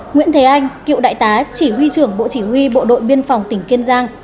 nguyễn thế anh cựu đại tá chỉ huy trưởng bộ chỉ huy bộ đội biên phòng tỉnh kiên giang